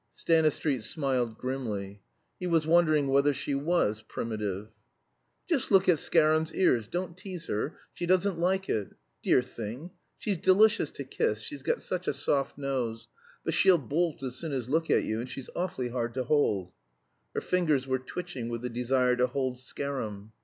Stanistreet smiled grimly. He was wondering whether she was "primitive." "Just look at Scarum's ears! Don't tease her. She doesn't like it. Dear thing! She's delicious to kiss she's got such a soft nose. But she'll bolt as soon as look at you, and she's awfully hard to hold." Her fingers were twitching with the desire to hold Scarum.